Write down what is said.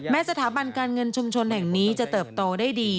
สถาบันการเงินชุมชนแห่งนี้จะเติบโตได้ดี